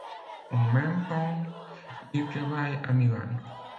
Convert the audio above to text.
En même temps, il travaille à Milan.